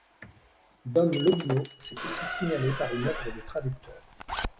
Dom Lobineau s'est aussi signalé par une œuvre de traducteur.